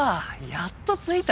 やっと着いた。